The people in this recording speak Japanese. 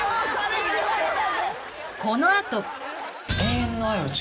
［この後］